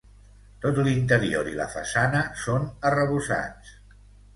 Tot l'interior i la façana són arrebossats.